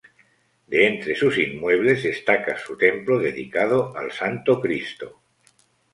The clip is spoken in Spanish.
De entre sus inmuebles destaca su templo dedicado al Santo Cristo.